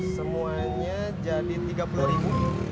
semuanya jadi rp tiga puluh